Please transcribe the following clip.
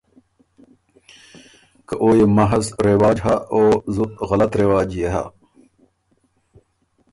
که او يې محض رواج هۀ، او زُت غلط رواج يې هۀ۔